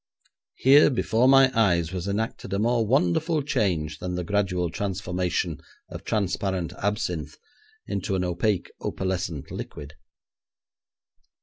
Here before my eyes was enacted a more wonderful change than the gradual transformation of transparent absinthe into an opaque opalescent liquid.